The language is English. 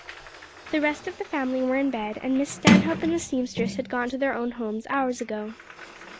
The rest of the family were in bed and Miss Stanhope and the seamstress had gone to their own homes hours ago.